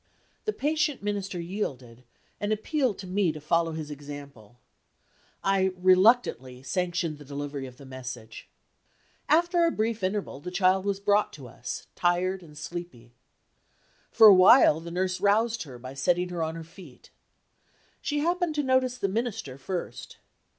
The patient Minister yielded, and appealed to me to follow his example. I reluctantly sanctioned the delivery of the message. After a brief interval the child was brought to us, tired and sleepy. For a while the nurse roused her by setting her on her feet. She happened to notice the Minister first.